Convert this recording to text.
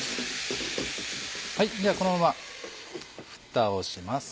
じゃあこのままふたをします。